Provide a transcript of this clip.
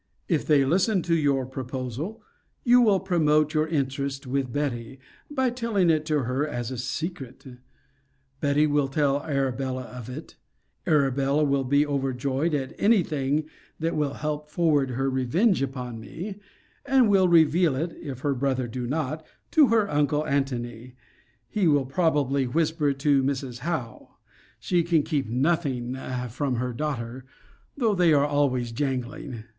If they listen to your proposal, you will promote your interest with Betty, by telling it to her as a secret. Betty will tell Arabella of it; Arabella will be overjoyed at any thing that will help forward her revenge upon me; and will reveal it (if her brother do not) to her uncle Antony; he probably will whisper it to Mrs. Howe; she can keep nothing from her daughter, though they are always jangling.